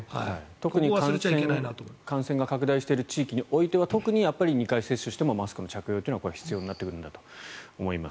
特に感染が拡大している地域においては、２回接種してもマスクの着用は必要になってくるんだと思います。